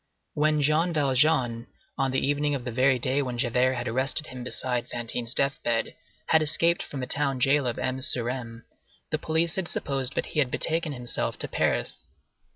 When Jean Valjean, on the evening of the very day when Javert had arrested him beside Fantine's death bed, had escaped from the town jail of M. sur M., the police had supposed that he had betaken himself to Paris.